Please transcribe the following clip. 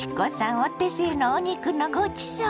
お手製のお肉のごちそう！